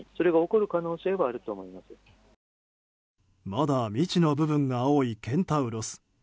まだ未知の部分が多いケンタウロス。